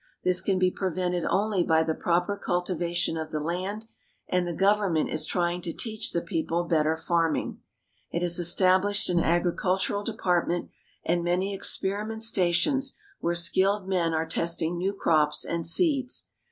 This can be prevented only by the proper cultivation of the land, and the government is trying to teach the people better farming. It has ostab lished an agricultural department, and many experiment stations where skilled men are testing new crops and seeds.